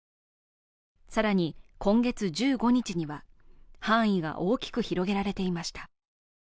更に今月１５日には、範囲が大きく広げられていました。